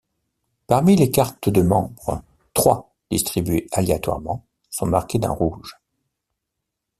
Parmi les cartes de membre, trois, distribuées aléatoirement, sont marquées d’un rouge.